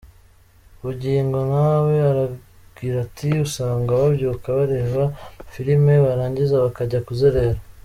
Bugingo nawe aragira ati ’’Usanga babyuka bareba amafilime, barangiza bakajya kuzerera.